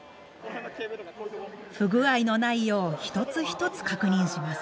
不具合のないよう一つ一つ確認します。